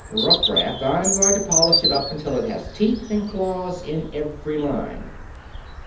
Rough draft I'm going to polish it up until it has teeth and claws in every line."